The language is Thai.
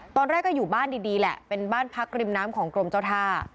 ตอนแรกก็อยู่บ้านดีแหละเป็นบ้านพักริมน้ำของกรมเจ้าท่า